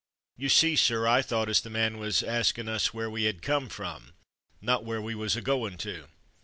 You see, sir, I thought as the man was askin' us where we 'ad come from, not where we was a goin' to.